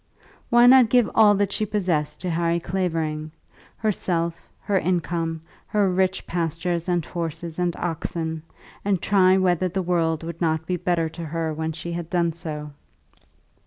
Why not give all that she possessed to Harry Clavering herself, her income, her rich pastures and horses and oxen, and try whether the world would not be better to her when she had done so?